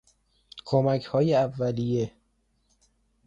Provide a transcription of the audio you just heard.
کمکهای اولیه